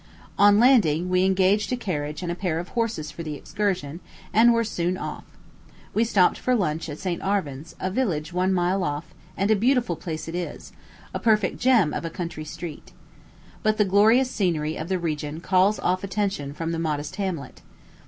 On landing, we engaged a carriage and pair of horses for the excursion, and were soon off. We stopped for lunch at St. Arvan's, a village one mile off, and a beautiful place it is a perfect gem of a country street. But the glorious scenery of the region calls off attention from the modest hamlet.